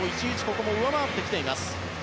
ここも上回ってきています。